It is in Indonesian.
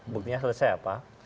buktinya selesai apa